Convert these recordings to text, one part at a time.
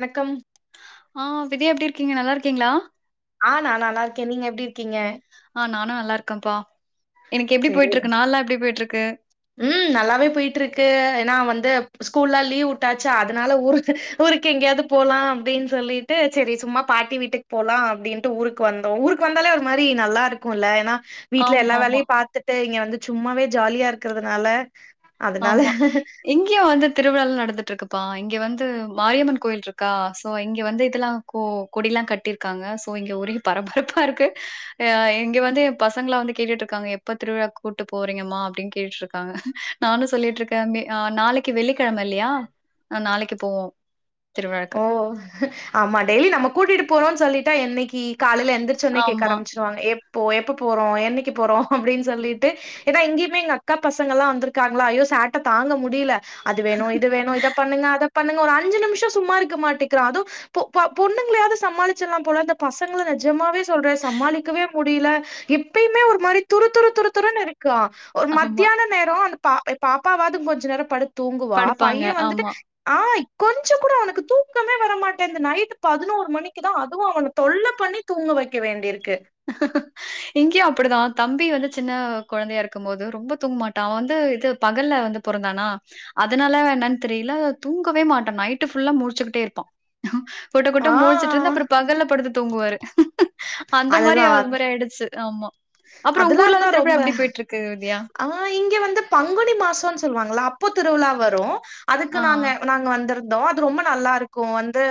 வணக்கம் ஆ வித்யா எப்டி இருக்கீங்க நல்லா இருக்கீங்ளா ஆ நா நல்லா இருக்கே நீங்க எப்டி இருக்கீங்க ஆ நானா நல்லா இருக்கப்பா எனக்கு எப்டி சரி. போயிட்டு இருக்கு நாள்லா எப்டி போய்ட்டு இருக்கு ம் நல்லாவே பொய்ட்டுருக்கு ஏன்னா வந்து ஸ்கூல்லா லீவ் வுட்டாச்சா அதனால ஊர் ஊருக்கு எங்கேயாவது போலா அப்டினு சொல்லிட்டு சரி சும்மா பாட்டி வீட்டுக்கு போலா அப்டின் ன்ட்டு ஊருக்கு வந்தோ ஊருக்கு வந்தாலே ஒரு மாரி நல்லா இருக்கு இல்ல ஏனா வீட்ல ஆமாமா, எல்லா ஆமா. வேலயு பாத்துட்டு இங்க வந்து சும்மாவே ஜாலியா இருக்றதுனால ஆமா இங்கேயு வந்து திருவிழால நடந்துட்டு இருக்குப்பா இங்க வந்து மாரியம்மன் கோயில் இருக்கா சோ இங்க வந்து இதெல்லா கோ கொடிலா கட்டிருக்காங்க சோ இங்க ஒரே பரபரப்பா இருக்கு அ இங்க வந்து பசங்களா வந்து கேட்டுட்டு இருக்காங்க எப்ப திருவிழா கூட்டு போறீங்கம்மா அப்டின்னு கேட்டுட்ருக்காங்க நானு சொல்லிட்ருக்கே ஆ நாளைக்கி வெள்ளிக்கெழம இல்லையா நாளைக்கி போவோ திருவிழாக்கு ஓ ஆமா டெய்லி நம கூடிட்டு போறோனு சொல்லிட்டா என்னக்கி காலைல எந்திரிச்சு ஒன்னே கேக்க ஆமா, ஆரம்பிச் சிடுவாங்க எப்போ எப்ப போறோ என்னக்கி போறோ அப்டின்னு சொல்லிட்டு எதோ இங்கயுமே எங்க அக்கா பசங்க எல்லா வந்துருக்காங்களா ஐயோ சேட்ட தாங்க முடியுல அது வேணு இது வேணு இத பண்ணுங்க அத பண்ணுங்க ஒரு அஞ்சு நிமிஷோ சும்மா இருக்க மாட்டிக்கிறா அதுவு பொ ப பொண்ணுங்களையாது சமாளிச்சுலா போல இந்த பசங்கள நெஜமாவே சொல்ற சமாளிக்கவே முடியுல இப்பயுமே ஒரு மாரி துரு துரு துருத்துருன்னு இருக்கா ஒரு ஆமா. மத்தியானோ நேரோ அந்த பாப் பாப்பாவது கொஞ்ச நேரோ படுத்து தூங்குவா படுப்பாங்க. பைய வந்துட்டு ஆமா. ஆ கொஞ்சோ கூட அவனுக்கு [unintelligible] க்கோ வர மாட்டேங்குது நைட்டு பதினோரு மணிக்குதா அதுவு அவன தொல்ல பண்ணி தூங்க வெக்க வேண்டியிருக்கு ஹஹஹ இங்கயு அப்புடிதா தம்பி வந்து சின்ன கொழந்தையா இருக்கும் போது ரொம்ப தூங்கமாட்டா அவ வந்து இது பகல்ல வந்து பொறந்தானா அதனால என்னன்னு தெரியுல தூங்கவே மாட்டா நைட்டு ஃபுல்லா முழுச்சுகிட்டே இருப்பா கொட்ட கொட்ட ஆ முழுச்சுட்டு இருந்து அப்புறோ பகல்ல படுத்து தூங்குவாரு அந்த மாரி அதுதா அது மாரி ஆயிடுச்சு ஆமா அப்புறோ உங்க அதெல்லா ஊர்லதா இருந்தா திருவிழா ரொம்ப எப்டி போயிட்ருக்கு வித்யா ஆ இங்க வந்து பங்குனி மாசோனு சொல்லுவாங்களா அப்போ திருவிழா வரோ அதுக்கு ஆ. நாங்க நாங்க வந்துரு ந்தோ அது ரொம்ப நல்லா இருக்கோ வந்து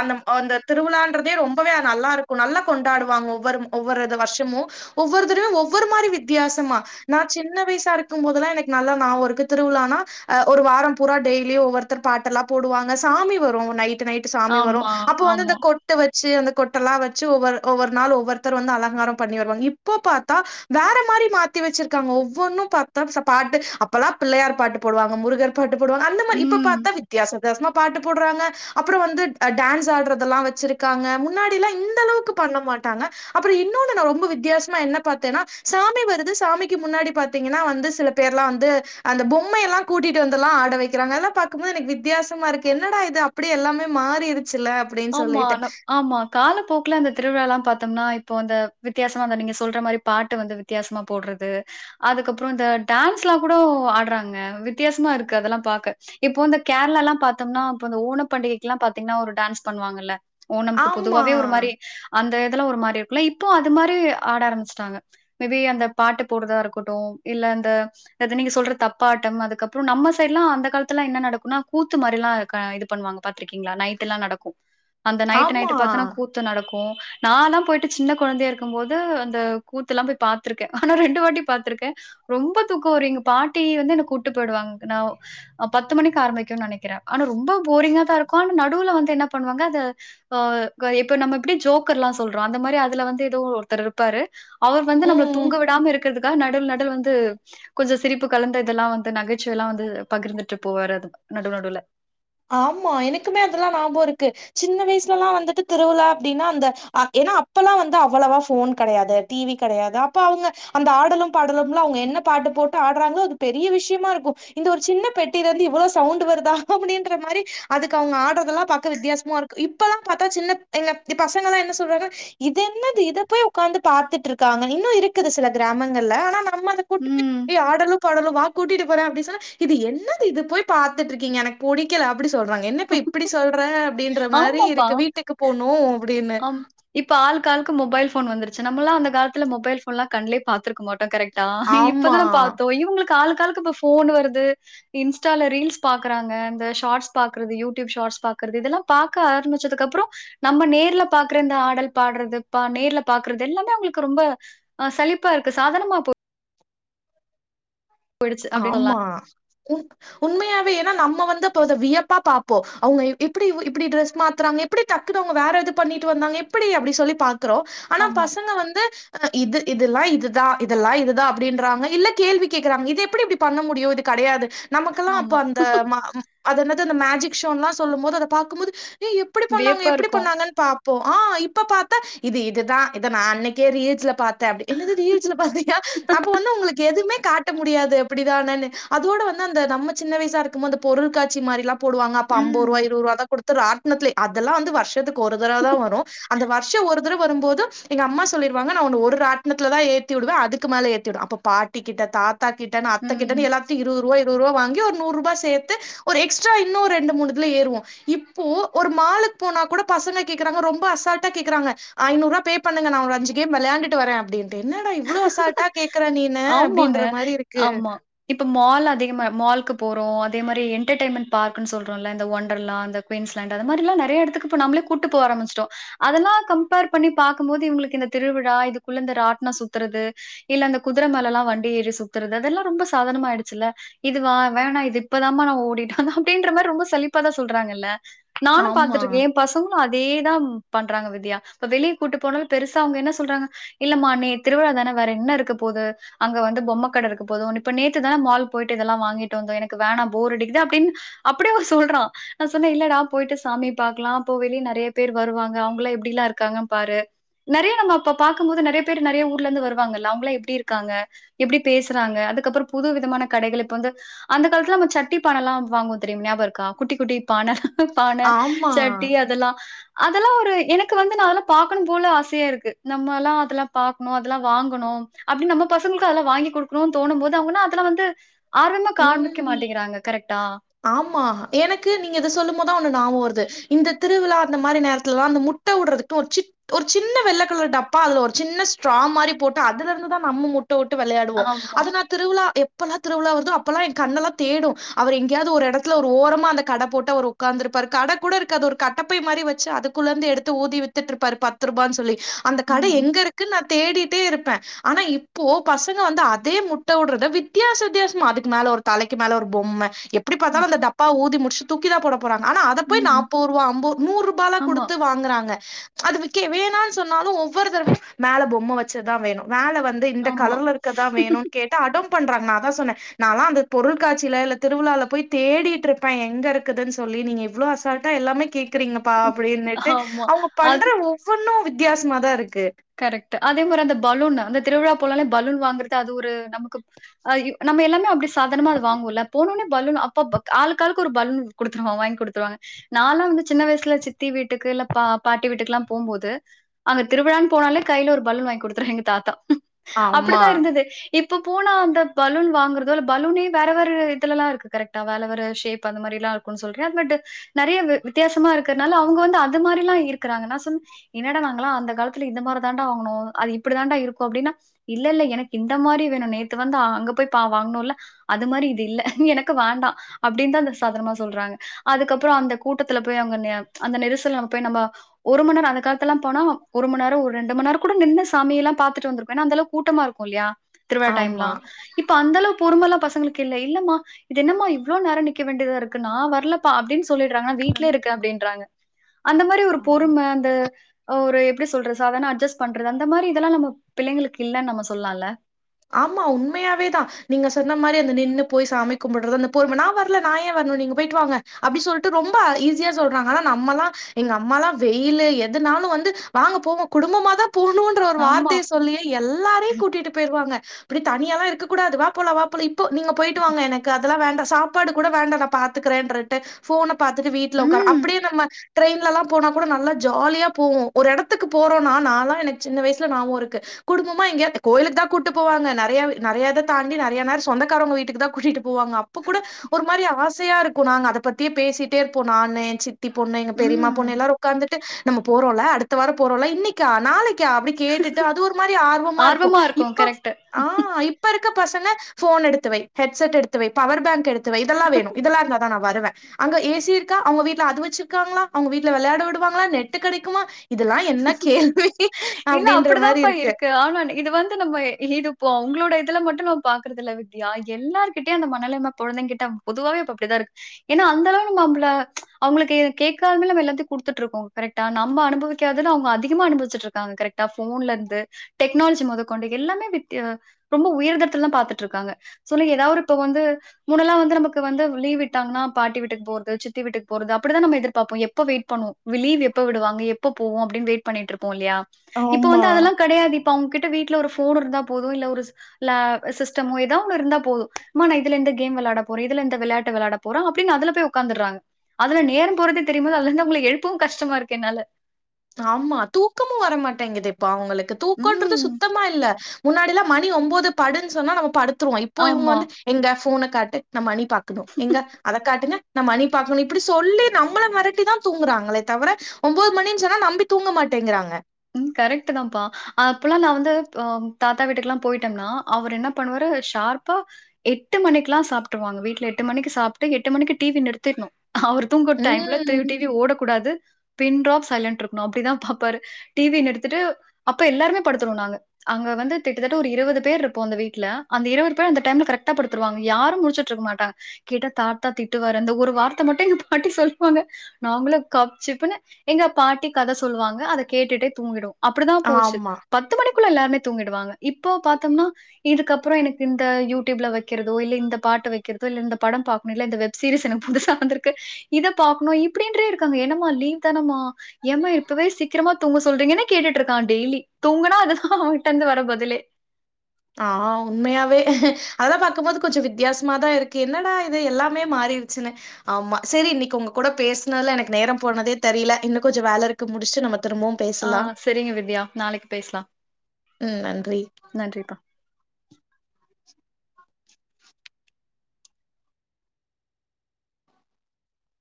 அந்த அந்த திருவிழான்றதே ரொம்பவே நல்லா இருக்கோ கோ நல்லா கொண்டாடுவாங்க ஒவ்வோரு ஒவ்வோரு இது வர்ஷமு ஒவ்வோர்த்ரு ஒவ்வோரு மாரி வித்தியாசமா நா சின்ன வயசா இருக்கும் போதுல்லா எனக்கு நல்லா ஞாபகோ இருக்கு திருவிலானா ஒரு வாரம் பூரா டெய்லியு ஒவ்வோருத்தரு பாட்டெல்லா போடுவாங்க சாமி வரோ நைட்டு நைட் சாமி வரோ ஆமா, அப்ப வந்து ஆமா. இந்த கொட் டு வெச்சு அந்த கொட்டெல்லா வெச்சு ஒவ்வோரு ஒவ்வோரு நாள் ஒவ்வோர்த்தர் வந்து அலங்காரோ பண்ணி வருவாங்க இப்போ பாத்தா வேற மாரி மாத்தி வெச்சிருக்காங்க ஒவ்வொன்னோ பாத்தா பாட்டு அப்பெல்லா பிள்ளையார் பாட்டு போடுவாங்க முருகர் பாட்டு போடுவாங்க அந்த மாரி இப்ப ம். பாத்தா வித்தியாச வித்தியசமா பாட்டு போடுறாங்க அப்புறோ வந்து டான்ஸ் ஆடுறதெல்லா வச்சிருக்காங்க முன்னாடில்லா இந்த அளவுக்கு பண்ண மாட்டாங்க அப்புறோ இன்னொனு நா ரொம்ப வித்தியாச மா என்ன பாத்தேன்னா சாமி வருது சாமிக்கி முன்னாடி பாத்தீங்கன்னா வந்து சில பேர்ல்லா வந்து அந்த பொம்மையெல்லா கூட்டிட்டு வந்துல்லா ஆட வைக்கிறாங்க எல்லாம் பாக்கும் போது எனக்கு வித்தியாசமா இருக்கு என்னடா இது அப் ப்டி எல்லாமே மாறிருச்சுல்ல ஆமா ன ஆமா காலப்போக்குல அந்த திருவிழாலா பாத்தோம்னா இப்போ அந்த வித்தியாசமா அந்த நீங்க சொல்ற மாரி பாட்டு வந்து வித் வித்தியாசமா போட்றது அதுக்கு அப்புறொ இந்த டான்ஸ்ல்லா கூடோ ஆட்றாங்க வித்தியாசமா இருக்கு அதெல்லாம் பாக்க இப்போ இந்த கேர்ளால்லாம் பாத்தோம்னா இப்ப இந்த ஓணம் பண்டிகைக்லா பாத்தீங்கன்னா ஒரு டான்ஸ் பண்ணுவாங்கல்ல ஓணம்க்கு ஆமா பொதுவாவே ஒரு மாரி அந்த இதெல்லா ஒரு மாரி இருக்குல இப்போ அது மாரி ஆட ஆரம்மிச்ட்டாங்க மேபி அந்த பாட்டு போடுதா இருக்கட்டூ இல்ல அந்த ரத நீங்க சொல்ற தப்பாட்டம் அதுக்கு அப்புறொ நம்ம சைடுல்லா அந்த காலத்துலா என்ன நடக்குனா கூத்து மாரில்லா இது பண்ணுவாங்க பாத்திருக்கீங்களா நைட் எல்லா நடக்கூ அந்த நைட் நைட் ஆமா பா்த்தன்னா கூத்து நடக்கூ நாலா போயிட்டு சின்ன கொழந்தையா இருக்கும் போது அந்த கூத்து எல்லாம் போய் பாத்திருக்கே ஆனா ரெண்டு வாட்டி பாத்திருக்கேன் ரொம்ப தூக்கொ வரு எங்க பாட்டி வந்து என்ன கூட்டு போயிடுவாங்க நா ஆ பத்து மணிக்கு ஆரம்பிக்குன் நெனைக்கிறே ஆனா ரொம்ப போரிங்கா தா இருக்கூ ஆனா நடுவுல வந்து என்ன பண்ணுவாங்க அத ஆ கு இப்ப நம்ம எப்டி ஜோக்கர்ல்லா சொல்றோ அந்த மாரி அதுல வந்து எதோ ஒருத்தர் இருப்பாரு அவுர் வந்து நம்மள வந்து ம் தூங்க விடாம இருக்கிறதுக்காக நடுல் நடுல வந்து கொஞ்ச சிரிப்பு கலந்த இதெல்லா வந்து நகைச்சுவ எல்லா வந்து பகிர்ந்துட்டு போவாரு அது நடுநடுவுல ஆமா எனக்குமே அதெல்லா நாபொ இருக்கு சின்ன வயசுலல்லா வந்துட்டு திருவிழா அப்டின்னா அந்த ஏன்னா அப்பல்லா வந்து அவ்வளவா ஃபோன் கடையாது டி வி கடையாது அப்ப அவுங்க அந்த ஆடலும் பாடலும்ல அவுங்க என்ன பாட்டு போட்டு ஆடுறாங்களோ அது பெரிய விஷயமா இருக்கும் இந்த ஒரு சின்ன பெட்டில இருந்து இவ்வளோ சவுண்டு வருதா அப்டின்ற மாரி அதுக்கு அவுங்க ஆட்றதெல்லாம் பாக்க வித்தியாசமா இருக்கூ இப்பல்லாம் பாத்தா சின்ன எங்க பசங்க எல்லா என்ன சொல்றாங்க இது என்னது இத போய் உக்காந்து பாத்துட்ருக்காங்க இன்னு இருக்குது சில கிராமங்கள்ல ஆனா நம்ம கூட்டு போய் ம். ஏ ஆடலும் பாடலும் வாகூட்டிட்டு போறே அப்டி சொன்னா இது என்னது இது போய் பாத்துட்ருக்கீங்க எனக்கு புடிக்கல அப்டி சொல்றாங்க என்னப்ப இப்டி சொல்ற அப்டின்ற மாரி ஆமாப்பா. இருக்கு வீட்டுக்கு பொனூ ஆம் இப்ப ஆளுக்காளுக்குக்கு மொபைல் ஃபோன் வந்துருச்சு நம்மல்லா அந்த காலத்துல மொபல் ஃபோன்ல்லா கண்லயே பாத்துருக்க மாட்டோ கரெக் ட்டா ஆமா. இப்பதானே பாத்தோ இவுங்களுக்கு ஆளுக்காளுக்கு இப்ப ஃபோன் வருது இன்ஸ்டால ரீல்ஸ் பாக்குறாங்க இந்த ஷார்ட்ஸ் பாக்குறது யூடியூப் ஷார்ட்ஸ் பாக்குறது இதெல்லாம் பாக்க ஆரம்பிச்சதுக்குப்புறோ நம்ம நேர்ல பாக்குற இந்த ஆடல் பாட்றது பா நேர்ல பாக்குறது எல்லாமே அவுங்களுக்கு ரொம்ப ஆ சலிப்பா இருக்கு சாதனமா போ போயிடுச்சு அப்டின்னு சொல்லலாம். ஆமா ம் உண்மையாவே ஏன்னா நம்ம வந்துப்ப வியப்பா பாப்போ அவுங்க எப்டி இப்டி ட்ரெஸ் மாத்துறாங்க எப்டி தக்குதுவுங்க வேற இது பண்ணிட்டு வந்தாங்க எப்டி அப்டி சொல்லி பாக்குறோ ஆனா ஆமா, பசங்க வந்து இது இதெல்லா இதுதா இதெல்லா இதுதா அப்டின்றாங்க இல்ல கேள்வி கேக்குறாங்க இதே எப்டி இப்டி பண்ண முடியு இது கடையாது நமக்கெல்லா அப்ப ஆமா. அந்த மா அதன்னது அந்த மேஜிக் ஷோன்லா சொல்லும் போது அத பாக்கும்போது ஏ எப்பிடி பண்ணாங்க வியப்பா எப்பிடி இருக்கும். பண்ணாங்கன் பாப்போ ஆ இப்ப பாத்தா இது இதுதா இத நா அன்னைக்கே ரீஜ்ல பாத் த்த அப்டி என்னது ரீல்ஸ்ல பாத்தீங்கா அப்ப வந்து உங்களுக்கு எதுமே காட்ட முடியாது அப்டிதான அதோட வந்து அந்த நம்ம சின்ன வயசா இருக்கு போது அந்த பொருள்‌‌ காட்சி மாதிரிலா போவாங்க அப்ப அம்பது ம். ரூபா இருவது ரூபா தா குடுத்து ராட்ணத்துலே அதெல்லா வந்து வருஷத்துக்கு ஒரு தரவ தா வரு அந்த வருஷோ ஒரு தடவ வரும்போது எங்க அம்மா சொல்லிருவாங்க நா ஒன்ன ஒரு ராட்ணத்துல தா ஏத்தி விடுவே அதுக்கு மேல ஏத்தி விடுவே அப்போ பாட்டி கிட்ட தாத்தா கிட்டனு அத்த ம். கிட்டன்னு எல்லாத்தையு இருதுபா இருபது ரூபா வாங்கி ஒரு நூறுரூபா சேத்து ஒரு எக்ஸ்ட்ரா இன்னு ரெண்டு மூணுதுல ஏறுவோ இப்போ ஒரு மாலுக்கு போனா கூட பசங்க கேக்குறாங்க ரொம்ப அசால்டா கேக்குறாங்க ஐநூறுவா பே பண்ணுங்க நா ஒரு அஞ்சுகேம் வெளையாண்டுட்டு வரேனு அப்டின்டு என்னடா இவ்வளோ அசால்டா கேக் க்குறானே நீன ஆமாங்க. அப்டின்ற மாரி இருக்கு ஆமா. இப்ப மால் அதிகமா மாலுக்கு போறோ அதே மாதிரி என்டர்டயமெட் பார்க்ன்னு சொல்றோம்ல இந்த ஒண்டர்லா அந்த குயின்ஸ்லாண்ட் அது மாரிலா நெறையா எடத்துக்கு இப்ப நம்மளே கூட்டு போக ஆரம்பிச்சுட்டோ அதெல்லா கம்பேர் பண்ணி பாக்கும்போது இவங்களுக்கு இந்த திருவிழா இது குழந்த ஆட்னா சுத்துறது இல்ல அந்த குதிர மேல எல்லா வண்டி ஏறி சுத்துறது அதெல்லா ரொம்ப சாதாரனமா ஆயிடுச்சுல்ல இது வா வேணா இது இப்பதாம நா ஓடிட்டே அப்டின்ற மாதிரி ரொம்ப சழிப்பாதா சொல்றாங்க இல்ல நானு ஆமா, பாத்துருக்கே ஏ பசங் ங்களு அதேதா பண்றாங்க வித்யா இப்ப வெளியே கூப்டு போனாலு பெருசா அவங்க என்ன சொல்றாங்க இல்லமா நீ திருவிழாதானே வேற என்ன இருக்கு போகுது அங்க வந்து பொம்ம கட இருக்கு போது இப்ப நேத்து தானே மால் போயிட்டு இதெல்லா வாங்கிட்டு வந்தோ எனக்கு வேணா போர் அடிக்குது அப்டின் அப்டியே அவ சொல்றா நா சொன்னே இல்லடா போயிட்டு சாமிய பாக்கலா அப்போ வெளிய நெறையா பேர் வருவாங்க அவுங்களா எப்டில்லா இருக்காங்க பாரு நெறையா நம்ம அப்ப பாக்கும் போது நெறையா பேர் நெறையா ஊர்ல இருந்து வருவாங்கல்ல அவுங்கள எ எப்டி இருக்காங்க எப்டி பேசுறாங்க அதுக்கப்றோ புது விதமான கடைகள் இப்ப வந்து அந்த காலத்துல நம்ம சட்டி பான எல்லா வாங்குவோ தெரியு ஞாபகோருக்கா குட்டி குட்டி பான பான ஆமா. சட்டி அதெல்லா அதெல்லா ஒரு எனக்கு வந்து நா அதெல்லா பாக்கணும் போல ஆசையா இருக்கு நம்ம எல்லா அதெல்லா பாக்கணு அதெல்லா வாங்கணு அப்டின்னு நம்ம பசங்களுக்கு அதெல்லா வாங்கி குடுக்கணும்னு தோணும்போது அவங்கென்னா அதெல்லா வந்து ஆர்வமே காண்பிக்க ம். மாட்டேங்கிறாங்க கரெக்டா ஆமா எனக்கு நீங்க இத சொல்லும் போதுதா ஒன்னு ஞாபகோ வருது இந்த திருவிழாந்த மாதிரி நேரத்துலல்லா அந்த மு ட்ட விட்றதுக்குக்கு ஒரு சி ஒரு சின்ன வெள்ள கலர் டப்பா அதுல ஒரு சின்ன ஸ்ட்ரா மாதிரி போட்டு அதுல இருந்துதா நம்ம முட் ட்ட விட்டு விளையாடுவோ ஆமா. அதனா திருவிழா எப்பெல்லா திருவிழா வருதோ அப் ல்லா ஏ கண்ணெல்லா தேடு அவர் எங்கேயாவது ஒரு எடத்துல ஒரு ஓரமா அந்த கட போட்டு அவர் ஒக்காந்துருப்பார் கட கூட இருக்காது ஒரு கட்டப்பை மாரி வச்சு அதுக்குள்ள இருந்து எடுத்து ஊதிவித்து இருப்பாரு பத்து ரூபானு சொல்லி அந்த கட ம். எங்க இருக்குனு நா தேடிட்டே இருப்பே ஆனா இப்போ பசங்க வந்து அதே முட்ட விடுறத வித்தியாச வித்தியாசமா அது மேல ஒரு தலைக்கு மேல ஒரு பொம்ம எப்டி அ. பாத்தாலு அந்த டப்பாவ ஊதி முடிச்சு தூக்கி தா போட போறாங்க ஆனா அத போயி ம். நாப்போரூபா அம்போரூபா நூறு ரூபாலா ஆமா, குடுத்து வாங்குறாங்க அது விக்கே வேணானு சொன்னாலு ஒவ்வொருத்தருக்கு மேல பொம்ம வச்சதுதா வேணு மேல வந் இந்த ஆமா. கலர்ல இருக்கதா வேணும்னு கேட்டு அடோம் பண்றாங்க நா அதா சொன்னே நாலா அந்த பொருள்காட்சியில இல்ல திருவிழால போயி தேடிட்டு இருப்பே எங்க இருக்குதுன்னு சொல்லி நீங்க எவ்ளோ அசால்டா எல்லாமே கேக் றீங்கப்பா ம். அப்டின்ட்டு ஆமா. அவுங்க அது பண்ற ஒவ்வொன்னு வித்தியாசமாதா இருக்கு கரெக்டு அதே மாரி அந்த பலூனு அந்த திருவிழா போனாலே பலூன் வாங்குறது அது ஒரு நமக்கு ஆ நம்ம எல்லாமே அப்டி சாதாரணமா அது வாங்குவோல்ல போனோனே பலூன் அப்ப ஆளுக்காளுக்கு ஒரு பலூன் குடுத்துருவா வாங்கி குடுத்துருவாங்க நாலா வந்து சின்ன வயசுல சித்தி வீட்டுக்கு இல்ல பா பாட்டி வீட்டுக்குல்லா போகும்போது அங்க திருவிழானு போனாலே கையில ஒரு பலூன் வாங்கி குடுத்துரு எங்க தாத்தா ஆமா அப்டிதா இருந்தது இப்போ போனா அந்த பலூன் வாங்குறதோல பலூனே வேற வேறு இதுலெல்லா இருக்கு கரெக்டா வேல ஒரு ஷேப் அந்த மாத்ரிலா கு சொல்றே பட் நெறையா வித்தியாசமா இருக்கிறதுனால அவுங்க வந்து அது மாத்ரி எல்லா இருக்குறாங்கன்னா என்னடா நாங்கள்லா அந்த காலத் துல இந்த மாதிரி தாண்டா வாங்கணு அது இப்டி தான்டா இருக்கு அப்டின்னா இல்லல்ல எனக்கு இந்த மாரி வேணு நேத்து வந்து அங்க போய் பா வாங்கனோம்ல அது மாத்ரி இது இல்ல நீ எனக்கு வாண்டா அப்டின்னு தா இந்த சாதாண்மா சொல்றாங்க அதுக்கப்பறோ அந்த கூட்டத்துல போய் அவ்ங்க அந்த நெரிசல் போய் நம்ம ஒரு மண்நேரோ அந்த காலத்துல ல்லா போனா ஒரு மண்நேரோ ஒரு ரெண்டுமண் நேரோ கூட நின்னு சாமி எல்லா பா்த்துட்டு வந்துருப்போ ஏன்ன அந்தளவு கூட்டமாருக்கு இல்லையா திருவிழா டைம்லா ஆமா இப் ப அந்த அளவு பொறுமலா பசங்களுக்கு இல்ல இல்லமா இது என்னமா இவ்ளோ நேரோ நிக்க வேண்டியதா இருக்கு நா வரல அப்டின்னு சொல்லிடுறாங்கன்னா வீட்லே இருக்கே அப்படின் சொல்லிட்றாங்க அந்த மாத்ரி ஒரு பொறும அந்த ஒரு எப்டி சொல்றது சாதாண அ்ஜஸ்ட் பண்றது அந்த மாத்ரி இதெல்லா நம்ப பிள்ளைங்களுக்கு இல்லன்னு நம்ம சொல்லாம்ல ஆமா உண்மையாவே தா நீங்க சொன்ன மாரி அந்த நின்னு போய் சாமி கும்புடுறது அந்த பொறும நா வரல நா ஏ வரணு நீங்க போயிட்டு வாங்க அப்டி சொல்ட்டு ரொம்ப ஈஸியா சொல்றாங்க ஆனா நம்மல்லா எங்க அம்மால்லா வெயிலு எதனாலு வந்து வாங்க போவோம் குடும்பமாதா போணு ஒரு ஆமா வார்த்தய சொல்லி எல்லாரையு கூட்டிட்டு போயிருவாங்க அப்டி தனியெல்லா இருக்கக் கூடாது வா போலா வா போலா இப் ப நீங்க போயிட்டு வாங்க எனக்கு அதெல்லா வேண்டா சாப்பாடு கூட வேண்டா நா பாத்துக்கறேன்றட்டு போன பாத்துட்டு வீட்டுல உக்கார ம் அப்டியே நம்ம ட்ரெயின்லெல்லா போனா கூட நல்லா ஜாலியா போவோம் ஒரு எடத்துக்கு போறோம்னா நாள்ளா எனக்கு சின்ன வயசுல நாவோ இருக்கு குடும்பமா எங்யாவ்து கோயிலுக்கு தா கூட்டு போவாங்க நெறைய நெறையாத தாண்டி நெறைய நேரோ சொந்தக்காரவங்க வீட்டுக்கு தா கூட்டிட்டு போவாங்க அப்ப கூட ஒரு மாரி ஆசையா இருக்கு நாங்க அத பத்தியே பேசிட்டே இருப்போ நானு ஏ சித் தி பொண்ணு எங்க பெரிம்மா ம் பொண்ணு எல்லாரு உட்காந்துட்டு நம்ம போறோம்ல அடுத்த வாரோ போறோம்ல இன்னை கங்கா நாளைக்கா அப்டி கேட்டுட்டு அது ஒரு மாரி ஆர்வமா இருப்போ இப் கரெக்ட்டு ஆ இப்ப இருக்க பசங்க ஃபோன எடுத்துவை ஹெட்செட் எடுத்தவை பவர் பேங்கு எடுத்து து வை இதெல்லா வேணு இதெல்லா இருந்தாதா நா வருவே அங்க ஏசி இருக்கா அவுங்க வீட்டுல அது வச்சிருக்காங்களா அவங்க வீட்டுல வெளா‌ட விடுவாங்களா நெட்டு் கெடைக்குமா இதெல்லா என்ன கேள்வி இல்ல அப்டின்ற மாரி அப்டித்தான்ப்பா இருக்கு ஆனா இது வந்து நம்மை இருப்போ உங்களோட இதுல மட்டு நம்ம பாக்குறதுல்ல வித்யா எல்லார்கிட்டயு அந்த மனநலம் கொழந்தைகிட்ட பொதுவா‌வே இப்ப அப்டிதா இருக் ஏன்னா அந்த அளவு நம்ம அம்ப்ள அவுங்களுக்கு கேக்காமலே நம்ப எல்லாத்தையு குடுத்துட்டு இருக்கோ கரெக் ட்டா நமம அனுபவிக்காதெல் லா அவுங்க அதிகமா அனுபவிச்ட் க்காங்க கரெக்டா போன்ல இருந்து டெக்னாலஜி மொதக்கொண்டு எல்லாமே வித் ரொம்ப உயிர்தடத்துலெல்லா பாத்துட்டு இருக்காங்க சொல்லு ஏதாவ்து ஒருத்தங்க வந்து முன்ன எல்லா வந்து நமக்கு வந்து லீவ் விட்டாங்கன்னா பாட்டி வீட்டுக்கு போறது சித்தி வீட்டுக்கு போறது அப்டிதா நம்ம எதிர்பாப்போ எப்ப வெயிட் பண்ணுவோம் லீவ எப்ப விடுவாங்க எப்ப போவோ அப்டின்னு வெய்ட் பண்ணிட்டு இருப்போ இல்லையா இப்பல்லா அது ஆமா வந்து அதெல்லா கடையாது இப்ப அவுங்ககிட்ட வீட்டுல ஒரு போனு இருந்தா போது இல்ல ஒரு ல்ல சிஸ்டமோ ஏதான் ஒன்னு இருந்தா போதும் ம்மா நா வந்து இதுல இந்த கேம் வெளாட போறே இதுல இந்த வெளாட்டு வெளாட போறே அப்டின்னு அதுல போய் உட்காந்துர்றாங்க அதுல நேரோ போறதே தெரியு போது அதுலயிருந்து உங்கள எழுப்பவும் கஷ்டமாருக்கு என்னால ஆமா தூக்கமு வரமாட்டேங்குது இப்ப அவுங்களுக்கு தூக்கன்றது ம். சுத்தமா இல்ல முன்னாடி எல்லா மணி ஒம்போது படுன்னு சொன்னா நம்ம படுத்துருவோ இப்போ இவுங்க ஆமா. வந்து எங்க ஃபோன காட்டு நா மணி பாக்கணு எங்க அத காட்டுங்க நா மணி பாக்கணு இப்படி சொல்லி நம்மள மிரட்டி தா தூங்குறாங்களே தவிர ஒம்போத் மணின் ச்சனா நம்பி தூங்க மாட்டேங்கிறாங்க ம் கரெக்ட்டு தான்ப்பா அப்பல்லா நா வந்து பம் தாத்தா வீட்டுக்கெல்லா போயிட்டேம்னா அவர் என்ன பண்ணுவாரு ஷார்பா எட்டு மணிக்லா சாப்பிட்ருவாங்க வீட்டுல எட்டு மணிக்கு சாப்ட்டு எட்டு மணிக்கு டி வி நிறுத்திடணு அவருக் தூங்குற டைம்ல ம் [unintelligible] டி வி ஓடக்கூடாது பின்ட்ராப் சைலண்ட்ருக்கணு அப்படிதா பாப்பாரு டி வி நிறுத்திட்டு அப்ப எல்லாருமே படுத்துருவோ நாங்க அங்க வந்து திட்டத்தட்ட ஒரு இருவது பேர்ருப்போ அந்த வீட்டுல அந்த இருவது பேர் அந்த டைம்ல கரெக்டா படுத்துருவாங்க யாரு முழிச்சிட் ட்ருக்க மாட்டாங்க கேட்டா தாத்தா திட்டுவாரு ஒரு வார்த்த மட்டு எங்க பாட்டி சொல்லுவாங்க நாங்களு கப்ச்சிப்புன்னு எங்க பாட்டி கத சொல்லுவாங்க அதக் கேட்டுட்டே தூங்கிடுவோ அப்டிதா போச்சு ஆமா பத்து மணிக்குள்ள எல்லாருமே தூங்கிடுவாங்க இப்போ பாத்தம்னா இதுக்கப்புறோ எனக்கு இந்த யூடியூப்ல வைக்கிறதோ இல்ல இந்த பாட்டு வைக்கிறதோ இல்ல இந்த படம் பாக்கணு இல்ல இந்த வெப் சீரிஸ் என்ன புதுசா வந்திருக்கு இத பாக்கணு இப்படின்றே இருக்காங்க என்னமா லீவ் தனமா ஏமா இப்பவே சீக் கிரமா தூங்க சொல்றீங்கன்னு கேட்டுட்ருக்கா டெய்லி தூங்கனா அதுதா அவன்ட்ட இருந்து வர பதிலே ஆ உண்மையாவே அதெல்லா பாக்கும்போது கொஞ்ச வித்தியாசமாதா இருக்கு என்னடா இது எல்லாமே மாறிடுச்சுன்னு ஆமா செரி இன்னைக்கு உங்க கூட பேசனல்ல எனக்கு நேரம் போனதே தெரியல இன்னு கொஞ்ச வேல இருக்கு முடிச்சிட்டு நம்ப திரும்பவும் ஆ செரிங்க வித்யா நாளைக்கு பேசலாம் ம் நன்றி நன்றிப்பா